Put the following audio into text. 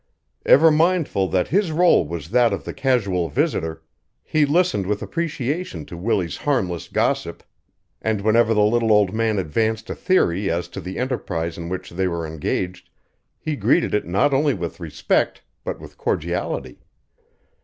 Ever mindful that his role was that of the casual visitor, he listened with appreciation to Willie's harmless gossip and whenever the little old man advanced a theory as to the enterprise in which they were engaged he greeted it not only with respect but with cordiality.